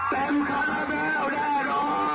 เต็มค้าแมวแดนอ้อน